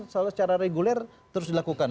secara reguler terus dilakukan